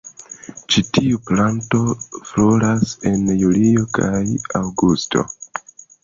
Ĉi tiu planto floras en julio kaj aŭgusto.